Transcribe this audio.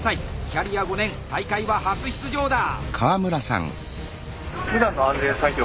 キャリア５年大会は初出場だ！